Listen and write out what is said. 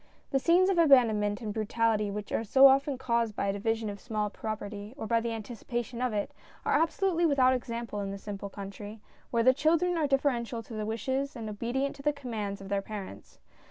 The scenes of abandon ment and brutality which are so often caused by a division of a small property or by the anticipation of it, are absolutely without example in the simple country, where the children are deferential to the wishes, and obedient to the commands of their parents.